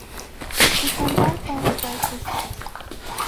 The compound forms gray crystals.